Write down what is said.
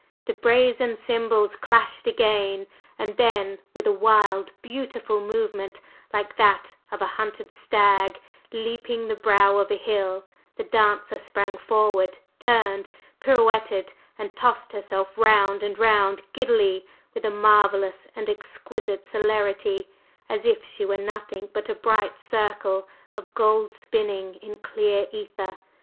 The brazen cymbals clashed again, and then, with a wild, beautiful movement, like that of a hunted stag leaping the brow of a hill, the dancer sprang forward, turned, pirouetted and tossed herself round and round giddily with a marvellous and exquisite celerity, as if she were nothing but a bright circle of gold spinning in clear ether.